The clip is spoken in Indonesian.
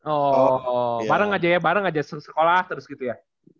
oh bareng aja ya bareng aja sekolah terus gitu ya